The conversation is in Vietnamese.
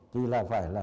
thì là phải là